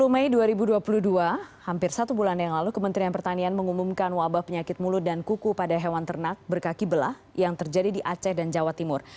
dua puluh mei dua ribu dua puluh dua hampir satu bulan yang lalu kementerian pertanian mengumumkan wabah penyakit mulut dan kuku pada hewan ternak berkaki belah yang terjadi di aceh dan jawa timur